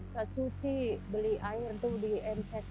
saya cuci beli air tuh di mck